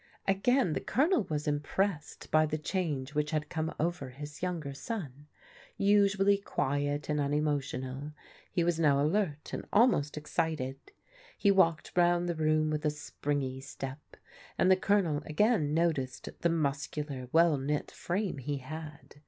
Again the Colonel was impressed by the change which had come over his younger son. Usually quiet and un emotional, he was now alert and almost excited. He walked round the room with a springy step, and the Colonel again noticed the muscular, well knit frame he had.